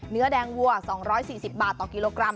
เนื้อแดงวัว๒๔๐บาทต่อกิโลกรัม